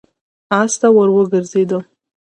آس ته ور وګرځېد.